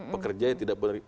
pekerja yang tidak benar